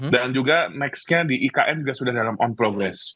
dan juga nextnya di ikn juga sudah dalam on progress